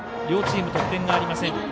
両チーム得点がありません。